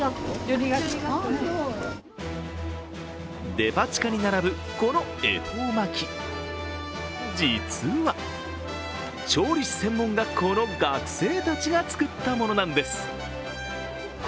デパ地下に並ぶこの恵方巻き、実は調理師専門学校の学生たちが作ったものなんです。